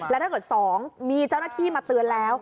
แล้วถ้าเกิด๒มีเจ้าหน้าที่มาเตือนแล้ว